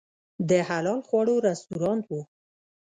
د حلال خواړو رستورانت و.